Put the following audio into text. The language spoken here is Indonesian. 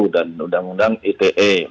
dan uu ite